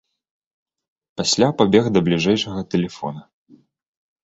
Пасля пабег да бліжэйшага тэлефона.